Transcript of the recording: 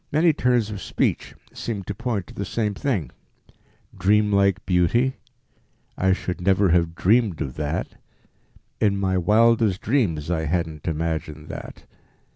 Many turns of speech seem to point to the same thing "dreamlike beauty," "I should never have dreamed of that," "in my wildest dreams I hadn't imagined that."